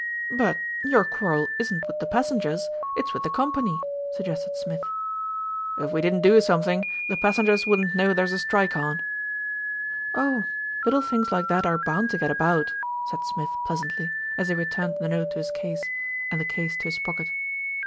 "But your quarrel isn't with the passengers, it's with the Company," suggested Smith. "If we didn't do something, the passengers wouldn't know there's a strike on." "Oh! little things like that are bound to get about," said Smith pleasantly, as he returned the note to his case, and the case to his pocket.